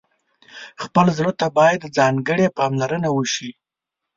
خپل زړه ته باید ځانګړې پاملرنه وشي.